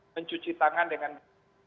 mencuci tangan dengan bersih